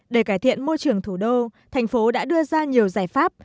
để cải thiện môi trường thủ đô thành phố đã đưa ra nhiều giải pháp